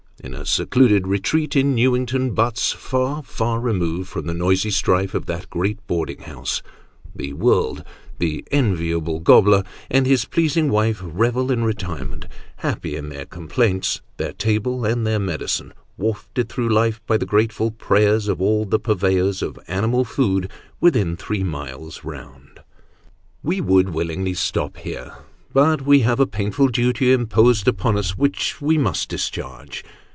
In a secluded retreat in Newington Butts, far, far removed from the noisy strife of that great boarding house, the world, the enviable Gobler and his pleasing wife revel in retirement: happy in their complaints, their table, and their medicine ; wafted through life by the grateful prayers of all the purveyors of animal food within three miles round. We would willingly stop here, but we have a painful duty imposed upon us, which we must discharge.